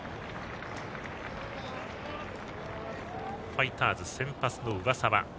ファイターズ、先発の上沢。